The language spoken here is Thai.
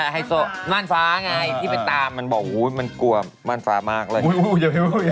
ไฮโซน่านฟ้าไงที่ไปตามมันบอกมันกลัวม่านฟ้ามากเลย